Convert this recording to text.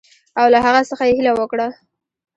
او له هغه څخه یې هیله وکړه.